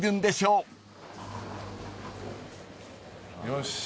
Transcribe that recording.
よし。